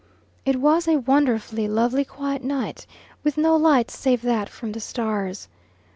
It was a wonderfully lovely quiet night with no light save that from the stars.